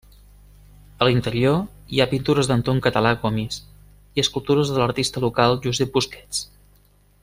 A l'interior hi ha pintures d'Anton Català Gomis i escultures de l'artista local Josep Busquets.